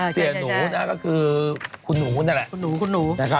เสียหนูก็คือคุณหนู